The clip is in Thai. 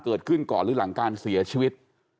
เกิดขึ้นก่อนหรือหลังการเสียชีวิต